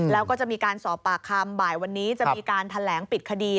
แล้วก็จะมีการสอบปากคำบ่ายวันนี้จะมีการแถลงปิดคดี